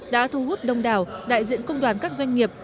đã thu hút đông đảo đại diện công đoàn các doanh nghiệp